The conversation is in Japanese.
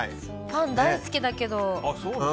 パン大好きだけど。